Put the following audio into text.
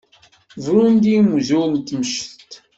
Bru-d i umzur timceṭ.